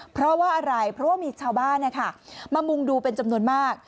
เพราะว่าอะไรเพราะว่ามีชาวบ้านมามุงดูเป็นจำนวนมาก